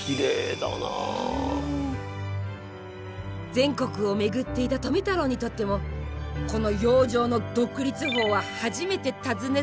全国を巡っていた富太郎にとってもこの洋上の独立峰は初めて訪ねる土地でした。